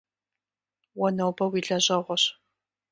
Уэ нобэ уи лэжьэгъуэщ.